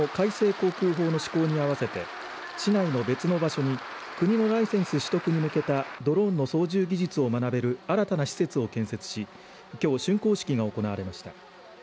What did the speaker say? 航空法の施行に合わせて市内の別の場所に国のライセンス取得に向けたドローンの操縦技術を学べる新たな施設を建設しきょうしゅんこう式が行われました。